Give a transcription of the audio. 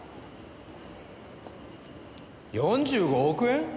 ４５億円！？